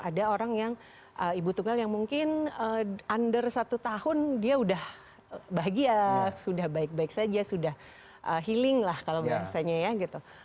ada orang yang ibu tunggal yang mungkin under satu tahun dia sudah bahagia sudah baik baik saja sudah healing lah kalau bahasanya ya gitu